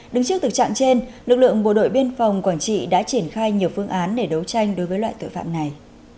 đứng trước thực trạng trên lực lượng bộ đội biên phòng quảng trị đã triển khai nhiều phương án để đấu tranh đối với loại tội phạm này